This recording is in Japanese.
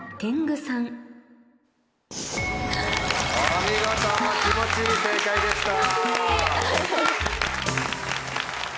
お見事気持ちいい正解でした！